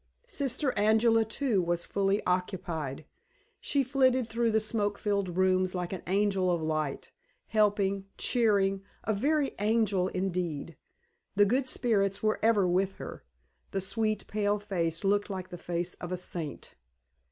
Sister Angela, too, was fully occupied. She flitted through the smoke filled rooms like an angel of light, helping, cheering a very angel, indeed. The good spirits were ever with her; the sweet, pale face looked like the face of a saint.